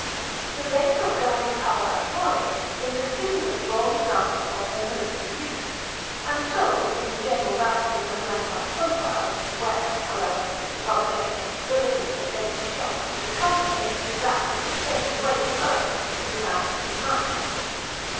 The base of Guy's Tower at Warwick is a singularly bold example of their military use; and so, in general, bastion and rampart profiles, where, however, the object of stability against a shock is complicated with that of sustaining weight of earth in the rampart behind.